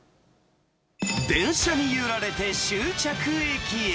電車に揺られて終着駅へ。